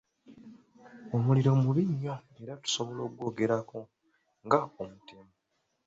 Omuliro mubi nnyo era tusobola okugwogerako ng'omutemu.